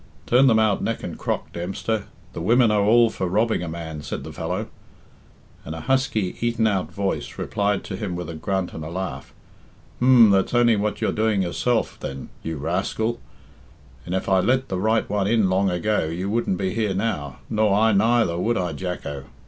"Turn them out, neck and crop, Dempster; the women are all for robbing a man," said the fellow; and a husky, eaten out voice replied to him with a grunt and a laugh, "H'm! That's only what you're doing yourself, then, you rascal, and if I'd let the right one in long ago you wouldn't be here now nor I neither, would I, Jacko?"